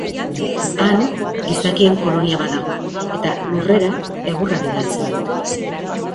Han gizakien kolonia bat dago eta Lurrera egurra bidaltzen dute.